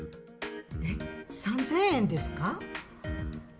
えっ、３０００円ですか？